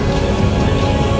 aku mau ke rumah